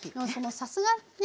さすがね。